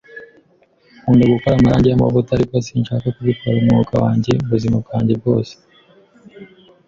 Nkunda gukora amarangi yamavuta, ariko sinshaka kubikora umwuga wanjye ubuzima bwanjye bwose.